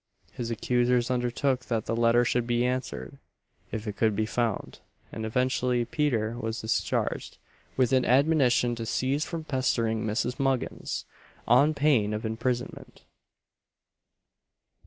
His accusers undertook that the letter should be answered if it could be found; and eventually Peter was discharged, with an admonition to cease from pestering Mrs. Muggins, on pain of imprisonment.